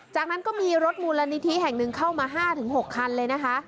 จากนั้นก็มีรถมูลนิธิแห่งหนึ่งเข้ามา๕๖คันเลยนะคะ